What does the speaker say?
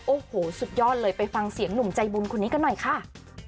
โอ้โหสุดยอดเลยไปฟังเสียงหนุ่มใจบุญคนนี้กันหน่อยค่ะ